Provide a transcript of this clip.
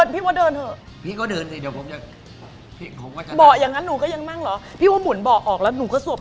ไปหมึกคันเดิมนะครับ